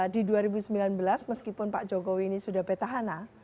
di dua ribu sembilan belas meskipun pak jokowi ini sudah petahana